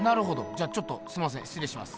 じゃちょっとすみませんしつれいします。